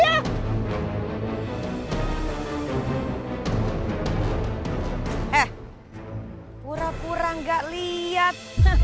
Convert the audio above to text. eh pura pura gak lihat